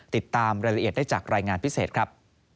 ติดตามรายละเอียดได้จากรายงานพิเศษครับ